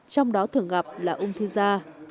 trong đó thường gặp là ung thư da